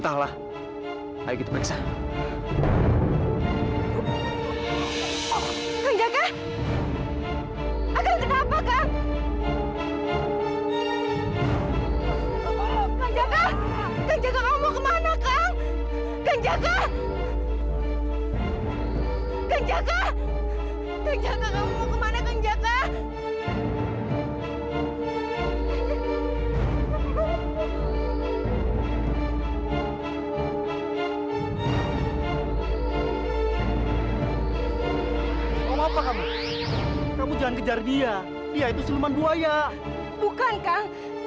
hai apa apa kamu kamu jangan kejar dia dia itu siluman buaya bukan kang